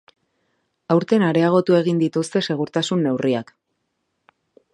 Aurten areagotu egin dituzte segurtasun neurriak.